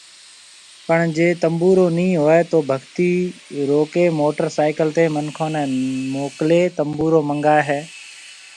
پڻ جي تنبورو ني ھوئي تو ڀگتي روڪي موٽر سائيڪل تي منکون ني موڪلي تنبورو منگائي ھيَََ